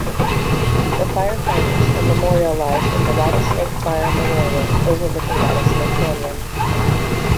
The firefighters are memorialized at the Rattlesnake Fire Memorial overlooking Rattlesnake Canyon.